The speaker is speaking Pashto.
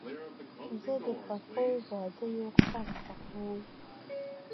زه د یخو بادیو غږ خوښوم.